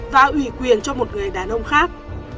và ủy quyền cho một người đàn ông khác